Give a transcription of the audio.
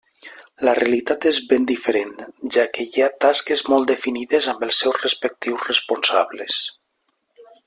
La realitat és ben diferent, ja que hi ha tasques molt definides amb els seus respectius responsables.